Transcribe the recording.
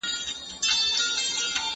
پلی تګ د شکر کنټرول کې مرسته کوي.